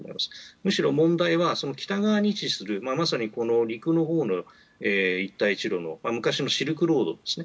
むしろ問題は北側に位置する陸のほうの一帯一路の昔のシルクロードですね。